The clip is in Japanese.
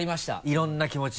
いろんな気持ち？